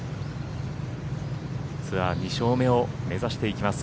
ツアー２勝目を目指していきます。